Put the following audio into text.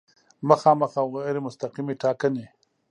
مخامخ او غیر مستقیمې ټاکنې